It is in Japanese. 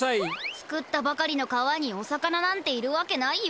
作ったばかりの川にお魚なんているわけないよ。